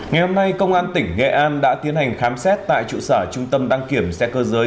ngày hôm nay công an tỉnh nghệ an đã tiến hành khám xét tại trụ sở trung tâm đăng kiểm xe cơ giới